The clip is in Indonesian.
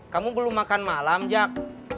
kamu belum makan malam jak